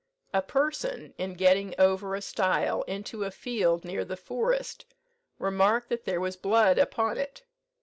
A person, in getting over a stile into a field near the Forest, remarked that there was blood upon it.